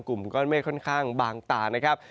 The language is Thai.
กลุ่มก้อนเมฆค่อนข้างบางตานะครับ